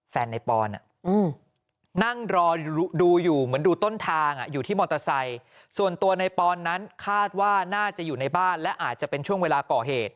แฟนในปอนนั่งรอดูอยู่เหมือนดูต้นทางอยู่ที่มอเตอร์ไซค์ส่วนตัวในปอนนั้นคาดว่าน่าจะอยู่ในบ้านและอาจจะเป็นช่วงเวลาก่อเหตุ